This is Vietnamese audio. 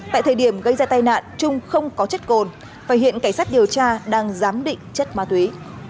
tại thời điểm gây ra tai nạn trung không có chất cồn và hiện cảnh sát điều tra đang giám định chất ma túy